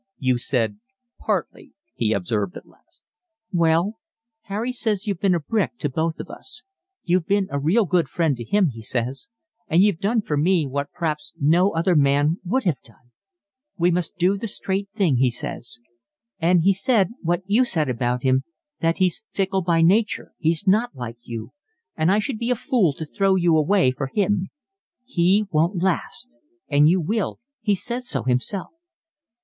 "You said partly," he observed at last. "Well, Harry says you've been a brick to both of us. You've been a real good friend to him, he says, and you've done for me what p'raps no other man would have done. We must do the straight thing, he says. And he said what you said about him, that he's fickle by nature, he's not like you, and I should be a fool to throw you away for him. He won't last and you will, he says so himself."